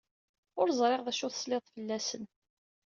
Ur ẓriɣ d acu tesliḍ fell-asen.